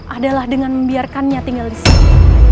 adalah dengan membiarkannya tinggal disini